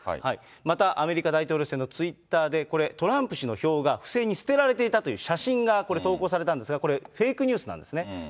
また、アメリカ大統領選のツイッターで、これ、トランプ氏の票が不正に捨てられていたという写真が、これ投稿されたんですが、これ、フェイクニュースなんですね。